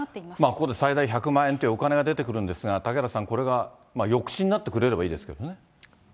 ここで最大１００万円ってお金が出てくるんですが、嵩原さん、これが抑止になってくれればいいですけどね。